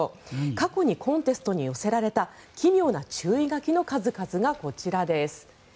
過去に、コンテストに寄せられた奇妙な注意書きの数々がこちらです。